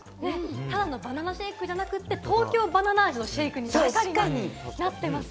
ただのバナナシェイクじゃなくて、東京ばな奈味のシェイクになってるんです。